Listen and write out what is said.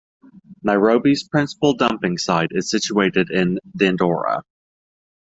Nairobi's principal dumping site is situated in Dandora.